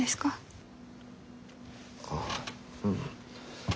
ああうん。